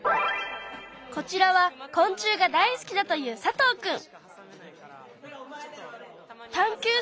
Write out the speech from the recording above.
こちらは昆虫が大好きだという佐藤くん。